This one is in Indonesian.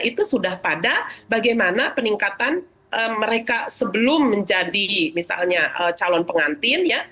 itu sudah pada bagaimana peningkatan mereka sebelum menjadi misalnya calon pengantin